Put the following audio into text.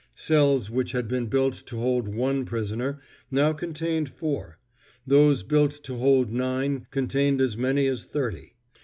Cells which had been built to hold one prisoner, now contained four; those built to hold nine contained as many as thirty.